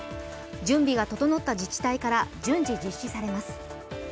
準備が整った自治体から順次実施されます。